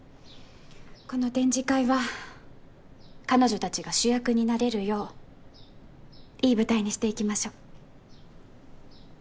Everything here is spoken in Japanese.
この展示会は彼女達が主役になれるよういい舞台にしていきましょう